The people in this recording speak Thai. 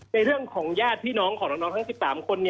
ในเรื่องของญาติพี่น้องของน้องทั้ง๑๓คน